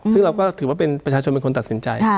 ซึ่งเราก็ถือว่าเป็นประชาชนเป็นคนตัดสินใจ